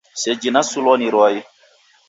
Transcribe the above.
Seji nasulwa ni rwai.